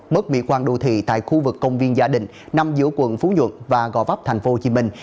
mất mỹ quan đô thị tại khu vực công viên gia đình nằm giữa quận phú nhuận và gò vấp thành phố hồ chí minh